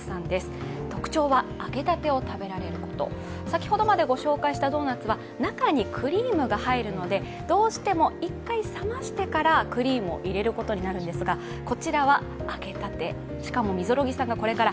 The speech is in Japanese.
先ほどまで紹介したドーナツは中にクリームが入るのでどうしても１回冷ましてからクリームを入れることになるんですがこちらは揚げたて、しかも溝呂木さんがこれから